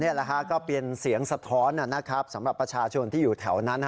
นี่แหละฮะก็เป็นเสียงสะท้อนสำหรับประชาชนที่อยู่แถวนั้น